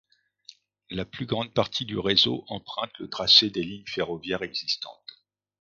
La plus grande partie du réseau emprunte le tracé des lignes ferroviaires existantes.